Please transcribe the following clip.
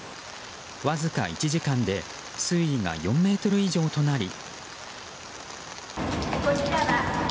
わずか１時間で水位が４ｍ以上となり。